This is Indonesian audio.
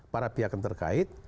para pihak yang terkait